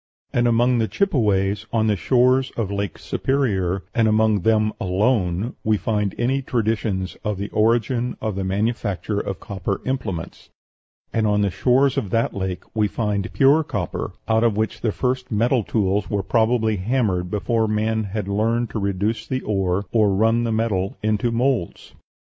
And among the Chippeways of the shores of Lake Superior, and among them alone, we find any traditions of the origin of the manufacture of copper implements; and on the shores of that lake we find pure copper, out of which the first metal tools were probably hammered before man had learned to reduce the ore or run the metal into moulds.